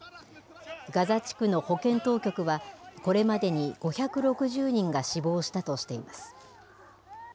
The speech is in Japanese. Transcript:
ガザ地区の保健当局は、これまでに５６０人が死亡したとしています。